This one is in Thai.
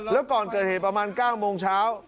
แล้วก่อนเกิดเหตุประมาณ๙โมงเช้า